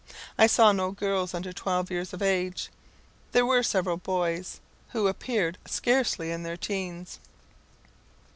I saw no girls under twelve years of age. There were several boys who appeared scarcely in their teens.